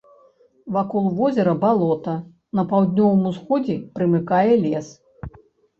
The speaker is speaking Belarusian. Вакол возера балота, на паўднёвым усходзе прымыкае лес.